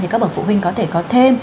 thì các bậc phụ huynh có thể có thêm